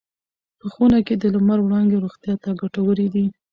په خونه کې د لمر وړانګې روغتیا ته ګټورې دي.